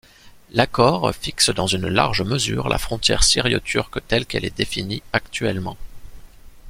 L'accord fixe dans une large mesure la frontière syro-turque telle qu'elle est définie actuellement.